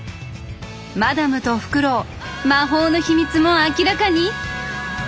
マダムとフクロウ魔法の秘密も明らかに？